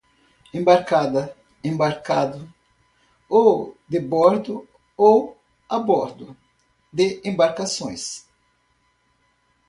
Embarcada, embarcado ou de bordo ou a bordo de embarcações